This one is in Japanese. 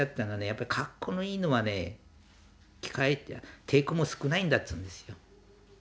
やっぱりかっこのいいのはね機械って抵抗も少ないんだって言うんですよ。